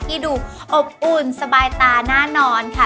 ที่ดูอบอุ่นสบายตาแน่นอนค่ะ